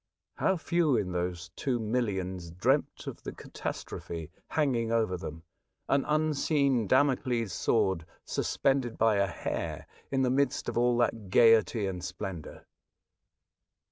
How few in those two millions dreamt of the catastrophe hanging over them, an unseen Damocles' sword sus pended by a hair in the midst of all that gaiety and splendour.